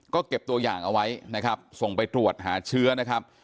ก็เก็บตัวอย่างเอาไว้นะครับส่งไปตรวจหาเชื้อนะครับ